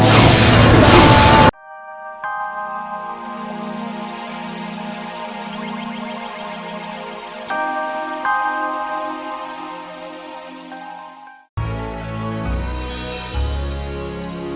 baik ayahanda prabu